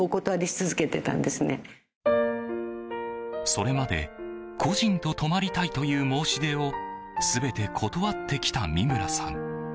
それまで故人と泊まりたいという申し出を全て断ってきた三村さん。